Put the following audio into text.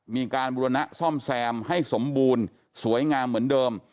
มีการบุรณะซ่อมแซมให้สมบูรณ์สวยงามเหมือนเดิม